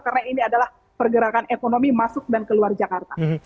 karena ini adalah pergerakan ekonomi masuk dan keluar jakarta